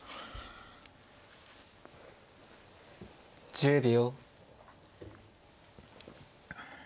１０秒。